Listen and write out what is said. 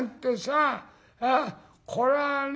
これはね